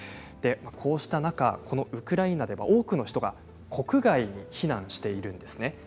こうした中、ウクライナでは多くの人が国外に避難しています。